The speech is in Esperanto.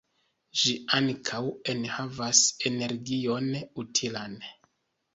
Ĝi ankaŭ enhavas energion utilan.